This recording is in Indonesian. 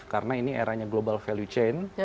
karena ini eranya global value chain